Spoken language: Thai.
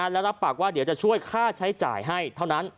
แล้วรับปากว่าเดี๋ยวจะช่วยค่าใช้จ่ายให้เท่านั้น